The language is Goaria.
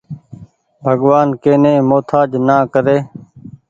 ڀڳوآن ڪي ني مهتآج نآ ڪري۔